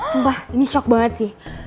sumpah ini shock banget sih